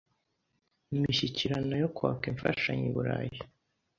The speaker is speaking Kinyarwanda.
imishyikirano yo kwaka imfashanyo i Burayi.